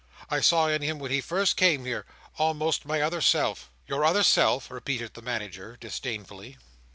I saw in him when he first came here, almost my other self." "Your other self!" repeated the Manager, disdainfully.